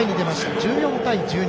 １４対１２。